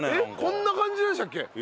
こんな感じなんでしたっけ？